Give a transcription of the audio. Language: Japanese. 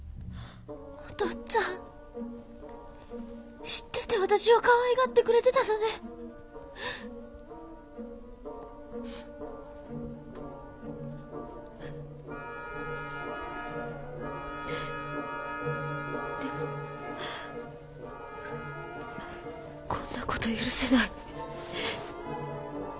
お父っつぁん知ってて私をかわいがってくれてたのね。でもこんな事許せない。